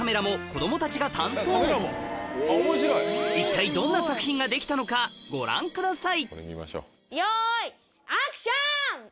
一体どんな作品ができたのかご覧ください